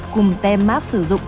cùng tem mát sử dụng